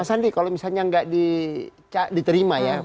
mas andi kalau misalnya nggak diterima ya